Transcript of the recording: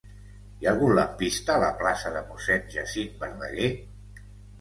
Hi ha algun lampista a la plaça de Mossèn Jacint Verdaguer?